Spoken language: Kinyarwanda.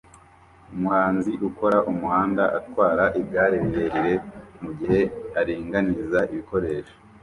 Umuhanzi ukora umuhanda atwara igare rirerire mugihe aringaniza ibikoresho